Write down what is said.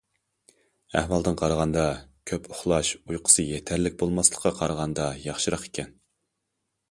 ئەھۋالدىن قارىغاندا، كۆپ ئۇخلاش ئۇيقۇسى يېتەرلىك بولماسلىققا قارىغاندا، ياخشىراق ئىكەن.